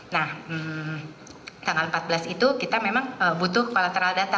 nah tanggal empat belas itu kita memang butuh kolateral data